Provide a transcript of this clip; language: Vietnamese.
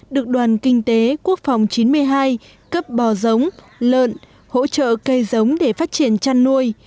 được đoàn kinh tế quốc phòng chín mươi hai cấp bò giống lợn hỗ trợ cây giống để phát triển chăn nuôi